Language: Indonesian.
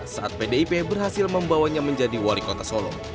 saat pdip berhasil membawanya menjadi wali kota solo